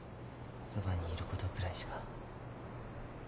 そばにいることぐらいしか。